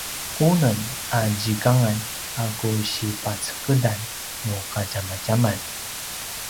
unem a zikangan a ku si pacegedan nu kadjamadjaman